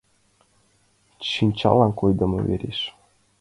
Шинчалан койдымо верыш!